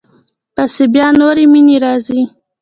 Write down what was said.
پسې بیا نورې مینې راځي.